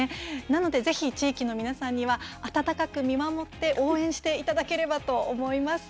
なので、ぜひ地域の皆さんには温かく見守って応援していただければと思います。